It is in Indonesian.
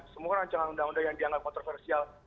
semua rancangan undang undang yang dianggap kontroversial